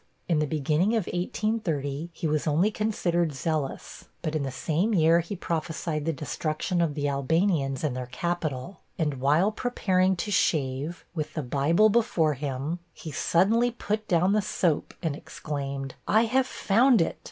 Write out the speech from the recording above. In the beginning of 1830, he was only considered zealous; but in the same year he prophesied the destruction of the Albanians and their capital, and while preparing to shave, with the Bible before him, he suddenly put down the soap and exclaimed, 'I have found it!